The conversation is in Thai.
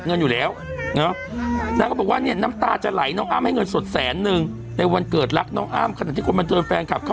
นั่งไปทำอะไรหรือว่าดูดอะไรหรือว่า